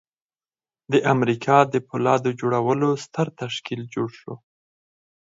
د امریکا د پولاد جوړولو ستر تشکیل جوړ شو